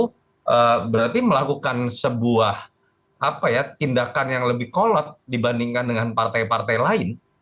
itu berarti melakukan sebuah tindakan yang lebih kolot dibandingkan dengan partai partai lain